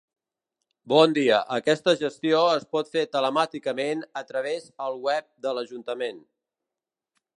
Bon dia, aquesta gestió es pot fer telemàticament a través el web de l'ajuntament.